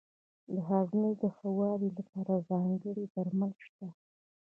د هاضمې د ښه والي لپاره ځانګړي درمل شته.